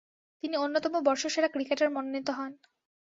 তিনি অন্যতম বর্ষসেরা ক্রিকেটার মনোনীত হন।